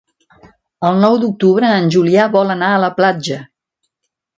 El nou d'octubre en Julià vol anar a la platja.